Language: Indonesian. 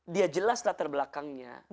dia jelas latar belakangnya